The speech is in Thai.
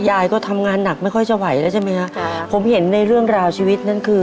ยายก็ทำงานหนักไม่ค่อยจะไหวแล้วใช่ไหมฮะค่ะผมเห็นในเรื่องราวชีวิตนั่นคือ